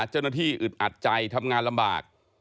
เจ้าหน้าที่อึดอัดใจทำงานลำบาก